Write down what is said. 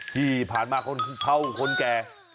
ที่ผ่านมาคนเท่าคนแก่